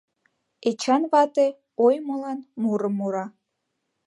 Эчан вате «Ой, молан» мурым мура.